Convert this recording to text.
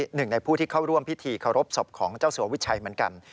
หนึ่งในผู้ที่เข้าร่วมพิธีเคารพศพของเจ้าสัววิชัยเหมือนกัน